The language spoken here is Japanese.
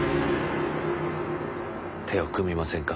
手を組みませんか？